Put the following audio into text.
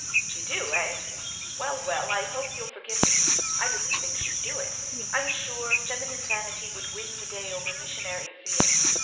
"You do, eh? Well, well, I hope you'll forgive me. I didn't think she'd do it I was sure feminine vanity would win the day over missionary zeal.